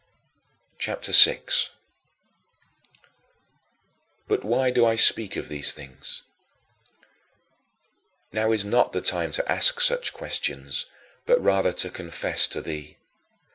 CHAPTER VI 11. But why do I speak of these things? Now is not the time to ask such questions, but rather to confess to thee.